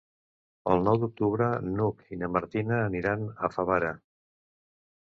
El nou d'octubre n'Hug i na Martina aniran a Favara.